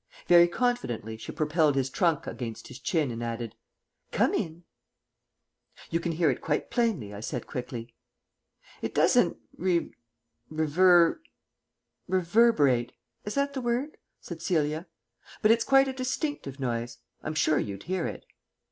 Very confidently she propelled his trunk against his chin and added, "Come in." "You can hear it quite plainly," I said quickly. "It doesn't re rever reverberate is that the word?" said Celia, "but it's quite a distinctive noise. I'm sure you'd hear it."